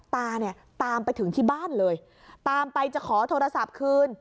ตาเนี่ยตามไปถึงที่บ้านเลยตามไปจะขอโทรศัพท์คืน